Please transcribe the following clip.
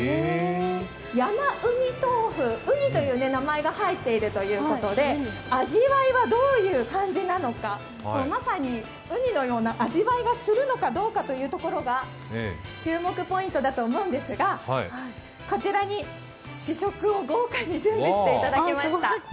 山うにとうふ、うにという名前が入っているということで、味わいは、どういう感じなのか、まさにうにのような味わいがするのかどうかが注目ポイントだと思うんですがこちらに試食を豪華に準備していただきました。